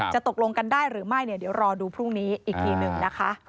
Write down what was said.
ตกลงกันได้หรือไม่เนี่ยเดี๋ยวรอดูพรุ่งนี้อีกทีหนึ่งนะคะ